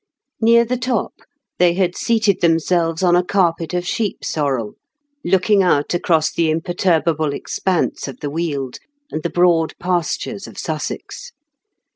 Near the top, they had seated themselves on a carpet of sheep sorrel, looking out across the imperturbable expanse of the Weald, and the broad pastures of Sussex.